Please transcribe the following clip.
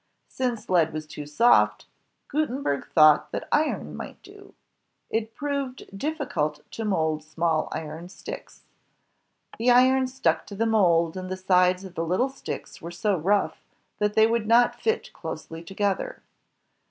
Since lead was too soft, Gutenberg thought that iron might do. It proved difficult to mold small iron sticks. The iron stuck to the mold, and the sides of the little sticks were so rough that they would not fit closely to gether.